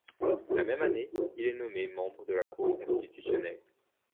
La même année, il est nommé membre de la Cour constitutionnelle.